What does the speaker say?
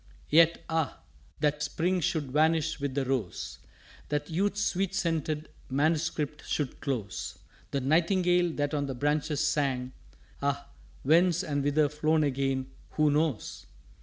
"_Yet, ah, that Spring should vanish with the Rose! That Youth's sweet scented Manuscript should close! The Nightingale that on the branches sang, Ah, whence, and whither flown again, who knows?